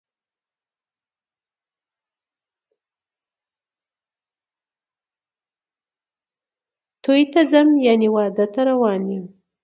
توی ته څم ،یعنی واده ته روان یم